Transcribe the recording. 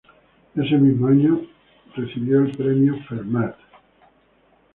Ese mismo año recibió el Premio Fermat.